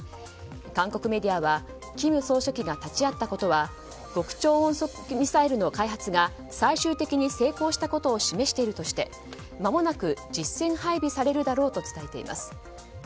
韓国メディアは金総書記が立ち会ったことは極超音速ミサイルの開発が最終的に成功したことを示しているとしてまもなく実戦配備されるだろうと伝えています。